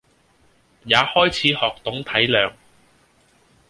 也開始學懂體諒